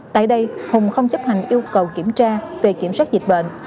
tại đây hùng không chấp hành yêu cầu kiểm tra về kiểm soát dịch bệnh